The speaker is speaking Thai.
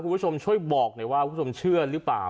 คุณผู้ชมช่วยบอกหน่อยว่าคุณผู้ชมเชื่อหรือเปล่า